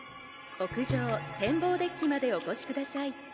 「屋上展望デッキまでおこしください」